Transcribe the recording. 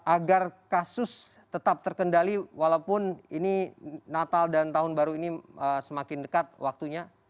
agar kasus tetap terkendali walaupun ini natal dan tahun baru ini semakin dekat waktunya